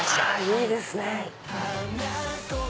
いいですね！